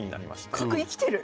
あっ角生きてる！